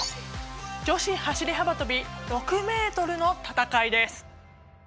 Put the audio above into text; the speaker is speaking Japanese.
女子走り幅跳び６ｍの戦いです。